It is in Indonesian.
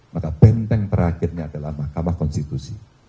maka benteng terakhirnya adalah mahkamah konstitusi